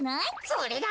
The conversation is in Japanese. それだ！